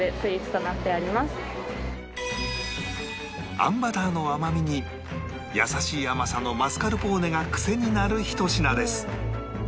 あんバターの甘みに優しい甘さのマスカルポーネが癖になるひと品です